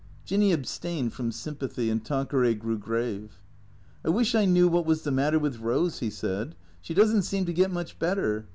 Jinny abstained from sympathy, and Tanqueray grew grave, " I wish I knew what was the matter with Eose," he said, " She does n't seem to get much better.